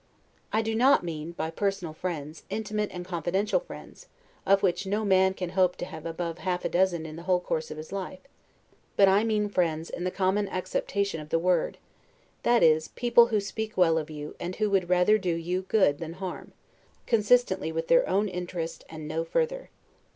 I do not mean, by personal friends, intimate and confidential friends, of which no man can hope to have half a dozen in the whole course of his life; but I mean friends, in the common acceptation of the word; that is, people who speak well of you, and who would rather do you good than harm, consistently with their own interest, and no further.